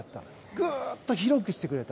ぐっと広くしてくれた。